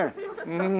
うん。